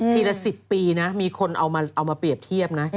ละ๑๐ปีนะมีคนเอามาเปรียบเทียบนะ